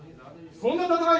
そんな戦い